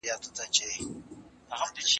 سوله او ورورولي غوره لار ده.